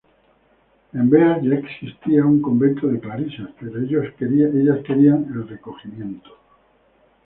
En Beas ya existía un Convento de Clarisas, pero ellas querían el recogimiento.